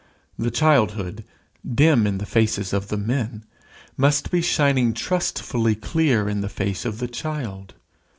The childhood, dim in the faces of the men, must be shining trustfully clear in the face of the child.